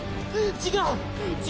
違う！